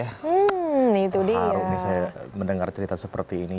harusnya saya mendengar cerita seperti ini